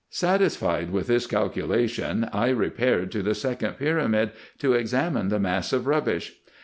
Satisfied with this calculation, I repaired to the second pyramid to examine the mass of rubbish.